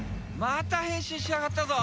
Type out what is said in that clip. また変身しやがったぞ！